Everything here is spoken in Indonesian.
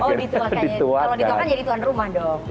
kalau dituakan jadi tuan rumah dong